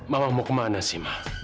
mama mau kemana sih ma